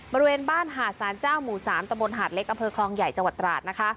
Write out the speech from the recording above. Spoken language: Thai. บริเวณบ้านหาดสารเจ้าหมู่๓ตะบนหาดเล็กอำเภอคลองใหญ่จังหวัดตราดนะคะ